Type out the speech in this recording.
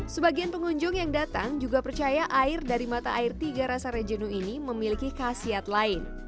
sebagian pengunjung yang datang juga percaya air dari mata air tiga rasa rejenu ini memiliki khasiat lain